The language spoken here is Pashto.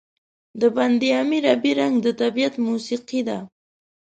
د بند امیر آبی رنګ د طبیعت موسيقي ده.